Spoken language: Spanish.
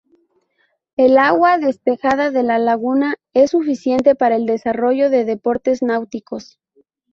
El agua despejada de la laguna es suficiente para el desarrollo de deportes náuticos.